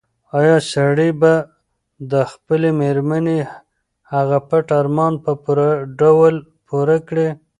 ایا سړی به د خپلې مېرمنې هغه پټ ارمان په پوره ډول پوره کړي؟